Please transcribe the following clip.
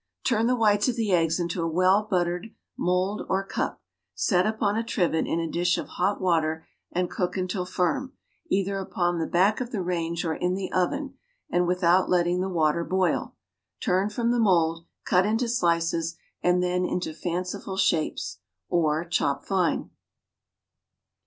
= Turn the whites of the eggs into a well buttered mould or cup, set upon a trivet in a dish of hot water, and cook until firm, either upon the back of the range or in the oven, and without letting the water boil. Turn from the mould, cut into slices, and then into fanciful shapes; or chop fine.